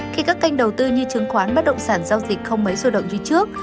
khi các kênh đầu tư như chứng khoán bất động sản giao dịch không mấy xôi động như trước